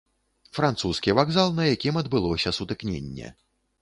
Французскі вакзал, на якім адбылося сутыкненне.